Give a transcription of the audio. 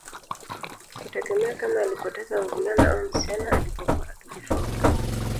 Kutegemea kama alipoteza mvulana au msichana alipokuwa akijifungua